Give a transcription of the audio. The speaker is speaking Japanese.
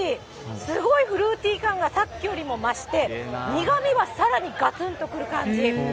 すごいフルーティー感がさっきよりも増して、苦味はさらにがつんとくる感じ。